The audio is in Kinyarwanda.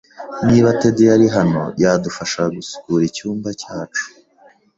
Niba Ted yari hano, yadufasha gusukura icyumba cyacu.